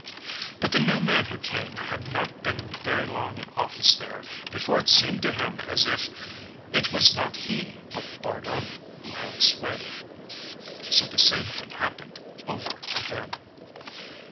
But the new man who came had not been very long in office there before it seemed to him as if it was not he but Bardun who held sway. So the same thing happened over again.